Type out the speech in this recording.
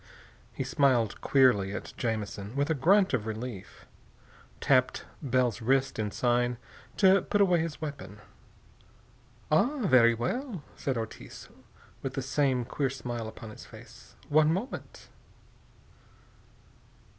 He smiled queerly as Jamison, with a grunt of relief, tapped Bell's wrist in sign to put away his weapon. "Ah, very well," said Ortiz, with the same queer smile upon his face. "One moment."